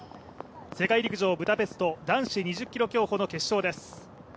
世界陸上ブダペスト、男子２０ｋｍ競歩の決勝です。